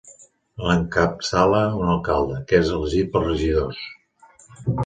L'encapçala un alcalde, que és elegit pels regidors.